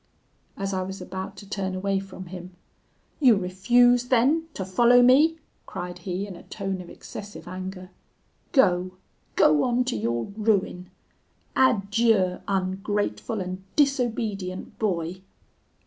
"As I was about to turn away from him: 'You refuse then to follow me,' cried he, in a tone of excessive anger. 'Go! go on to your ruin. Adieu! ungrateful and disobedient boy.'